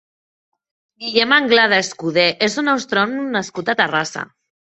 Guillem Anglada Escudé és un astrònom nascut a Terrassa.